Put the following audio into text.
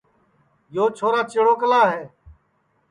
یو چھورا چِڑوکلا ہے